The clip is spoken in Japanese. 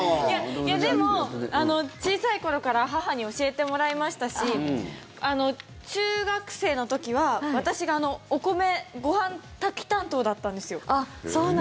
いや、でも小さい頃から母に教えてもらいましたし中学生の時は私がお米ご飯炊き担当だったんですよ。